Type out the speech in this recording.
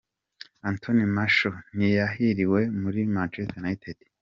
Anthony Martial ntiyahiriwe muri Manchester United.